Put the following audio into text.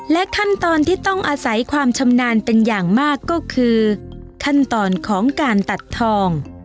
ขั้นตอนที่ต้องอาศัยความชำนาญเป็นอย่างมากก็คือขั้นตอนของการตัดทอง